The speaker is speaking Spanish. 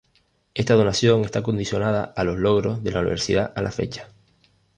Esta donación está condicionada a los logros de la universidad a la fecha.